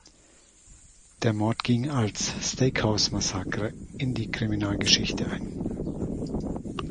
Der Mord ging als „Steakhouse-Massacre“ in die Kriminalgeschichte ein.